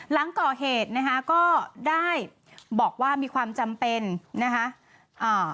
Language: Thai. หลังก่อเหตุนะคะก็ได้บอกว่ามีความจำเป็นนะคะอ่า